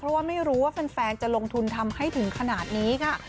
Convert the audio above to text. เพราะว่าไม่รู้ว่าแฟนจะลงทุนทำให้ถึงขนาดนี้ค่ะ